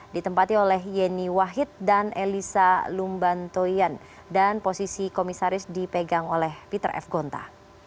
ditempati oleh yeni wahid dan elisa lumbantoyan dan posisi komisaris dipegang oleh peter f gonta